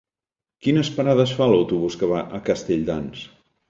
Quines parades fa l'autobús que va a Castelldans?